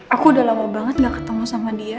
aku udah lama banget gak ketemu sama dia